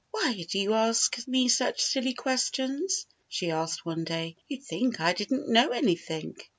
"Why do you ask me such silly questions?" she asked one day. " You'd think I didn't know anything."